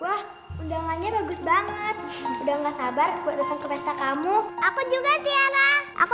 wah undangannya bagus banget udah gak sabar buat datang ke pesta kamu aku juga tiana aku